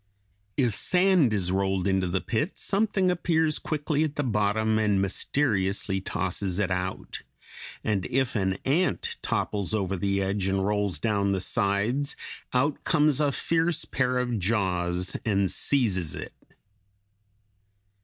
If sand is rolled into the pit, something appears quickly at the bottom and mysteriously tosses it out; and if an ant topples over the edge and rolls down the sides, out comes a fierce pair of jaws and seizes it.